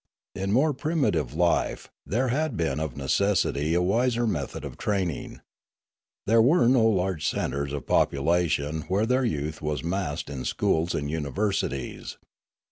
In more primitive life, there had been of necessity a wiser method of training. There were no large centres of population where their youth was massed in schools and universities.